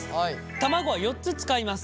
卵は４つ使います。